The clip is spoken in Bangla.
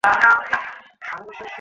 না, দুনিয়ার মানুষ আমাদেরকে খারাপ ভাববে!